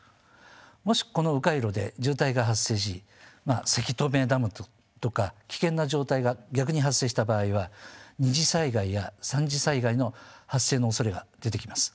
もしこのう回路で渋滞が発生しせき止めダムとか危険な状態が逆に発生した場合は二次災害や三次災害の発生のおそれが出てきます。